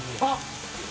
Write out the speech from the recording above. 「あっ！」